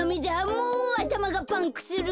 もうあたまがパンクする。